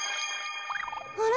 あら？